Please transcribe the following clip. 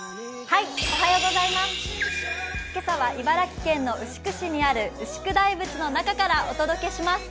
今朝は茨城県の牛久市にある牛久大仏の中からお届けします。